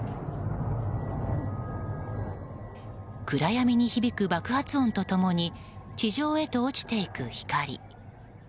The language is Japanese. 暗闇に響く爆発音と共に地上へと落ちていく光。